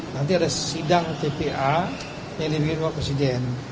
nanti ada sidang tpa yang dimiliki bapak presiden